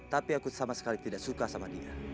tapi aku sama sekali tidak suka sama dia